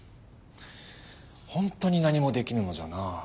本当に何もできぬのじゃな。